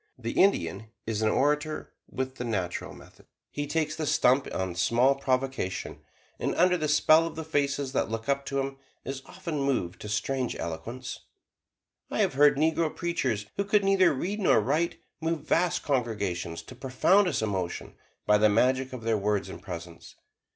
The Indian is an orator with "the natural method"; he takes the stump on small provocation, and under the spell of the faces that look up to him, is often moved to strange eloquence. I have heard negro preachers who could neither read nor write, move vast congregations to profoundest emotion by the magic of their words and presence.